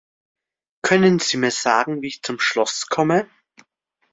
Können Sie mir sagen wie ich zum Schloss komme?